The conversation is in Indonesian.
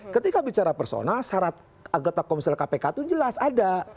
ketika bicara personal syarat anggota komisi tiga kpk itu jelas ada